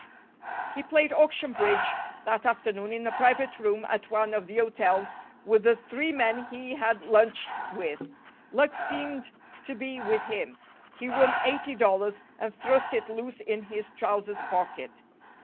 He played auction bridge that afternoon in a private room at one of the hotels with the three men he had lunched with. Luck seemed to be with him. He won eighty dollars, and thrust it loose in his trousers pocket.